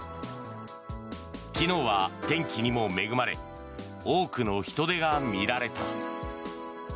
昨日は天気にも恵まれ多くの人出が見られた。